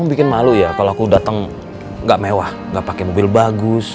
bikin malu ya kalau aku datang gak mewah nggak pakai mobil bagus